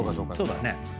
そうだね。